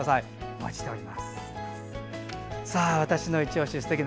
お待ちしています。